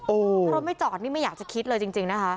ถ้ารถไม่จอดนี่ไม่อยากจะคิดเลยจริงนะคะ